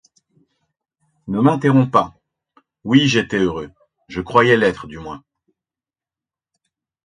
Ne m’interromps pas. — Oui, j’étais heureux, je croyais l’être du moins.